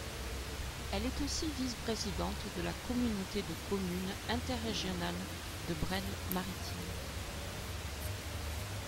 Elle est aussi vice-présidente de la communauté de communes interrégionale de Bresle maritime.